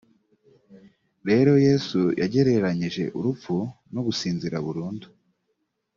rero yesu yagereranyije urupfu no gusinzira burundu